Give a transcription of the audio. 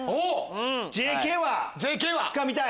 ＪＫはつかみたい。